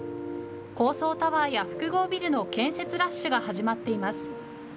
高層タワーや複合ビルの建設ラッシュが始まっています。